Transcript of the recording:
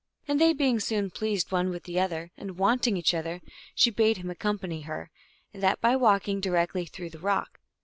And they being soon pleased one with the other, and wanting each other, she bade him accom pany her, and that by walking directly through the rock.